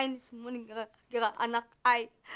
ini semua gara gara anak i